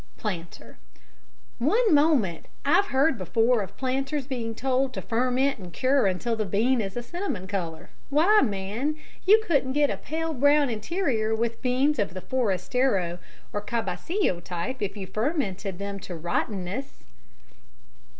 PLANTER: One moment! I've heard before of planters being told to ferment and cure until the bean is cinnamon colour. Why, man, you couldn't get a pale brown interior with beans of the Forastero or Calabacillo type if you fermented them to rottenness.